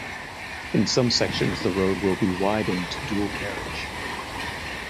In some sections the road will be widened to dual carriage.